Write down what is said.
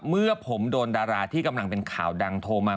เมื่อผมโดนดาราที่กำลังเป็นข่าวดังโทรมา